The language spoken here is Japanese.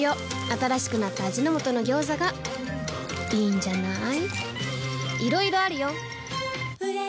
新しくなった味の素の「ギョーザ」がいいんじゃない？